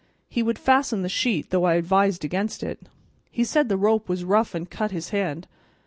He would fasten the sheet, though I advised against it. He said the rope was rough an' cut his hand.